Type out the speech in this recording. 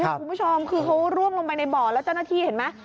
พี่ผู้ชมดูต่อไปต้องลงไปในบ่อนแล้วเจ้าหน้าที่เห็นไหม